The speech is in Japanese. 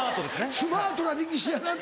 スマートな力士やなって。